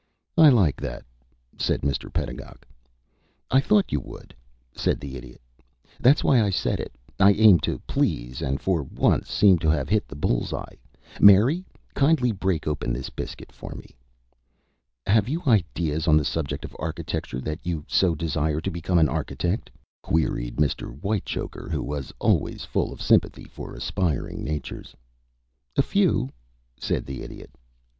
"I like that," said Mr. Pedagog. "I thought you would," said the Idiot. "That's why I said it. I aim to please, and for once seem to have hit the bull's eye. Mary, kindly break open this biscuit for me." "Have you ideas on the subject of architecture that you so desire to become an architect?" queried Mr. Whitechoker, who was always full of sympathy for aspiring natures. "A few," said the Idiot. Mr.